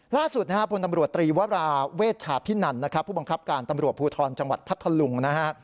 ล่าสุดพตรีวราเวชชาพินั่นผู้บังคับการตำรวจภูทรจังหวัดพัทธลุง